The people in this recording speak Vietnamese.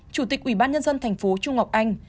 chủ tịch ủy ban nhân dân thành phố trung ngọc anh